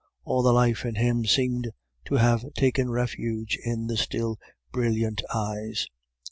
All the life in him seemed to have taken refuge in the still brilliant eyes.